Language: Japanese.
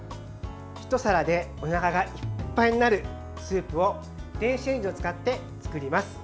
ひと皿でおなかがいっぱいになるスープを電子レンジを使って作ります。